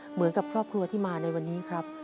เหมือนกับครอบครัวที่มาในวันนี้ครับ